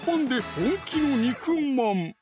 本気の肉まん」